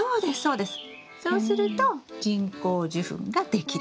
そうすると人工授粉ができる。